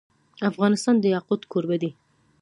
افغانستان د یاقوت کوربه دی.